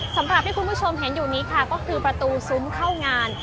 สำหรับที่คุณผู้ชมเห็นอยู่นี้ค่ะก็คือประตูซุ้มเข้างาน